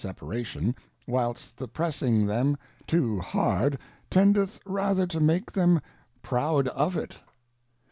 Separation, whilst the pressing ■' them too hard, tendeth rather to make them proud of it.